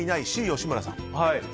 Ｃ、吉村さん。